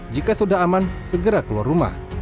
jika sudah aman segera keluar rumah